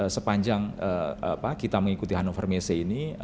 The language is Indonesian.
sepanjang kita mengikuti hannover messe ini